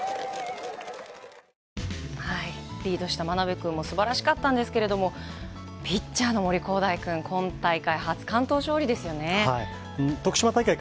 リードした真鍋君もすばらしかったんですけど、ピッチャーの森煌誠君、今大会初完投ですよね。